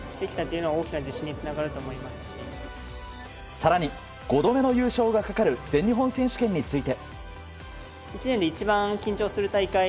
更に、５度目の優勝がかかる全日本選手権について。